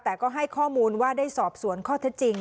แต่ก็ให้ข้อมูลว่าได้สอบสวนข้อเท็จจริง